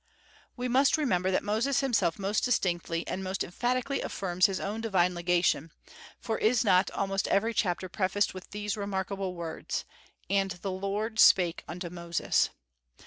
We must remember that Moses himself most distinctly and most emphatically affirms his own divine legation; for is not almost every chapter prefaced with these remarkable words, "And the Lord spake unto Moses"?